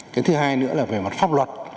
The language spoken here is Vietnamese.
cái thứ hai nữa là về mặt pháp luật